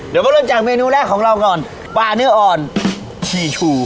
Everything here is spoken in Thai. เดี๋ยวมาเริ่มจากเมนูแรกของเราก่อนปลาเนื้ออ่อนชีชู